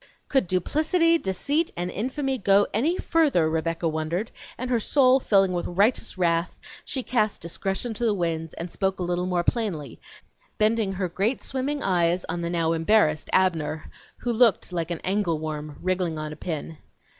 Could duplicity, deceit, and infamy go any further, Rebecca wondered, and her soul filling with righteous wrath, she cast discretion to the winds and spoke a little more plainly, bending her great swimming eyes on the now embarrassed Abner, who looked like an angle worm, wriggling on a pin.